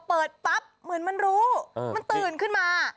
เปิดปั๊บเหมือนมันรู้มันตื่นขึ้นมา